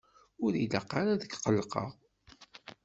Ur ilaq ara ad qellqeɣ.